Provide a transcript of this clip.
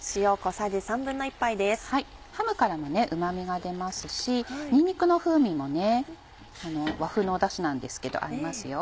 ハムからもうま味が出ますしにんにくの風味も和風のだしなんですけど合いますよ。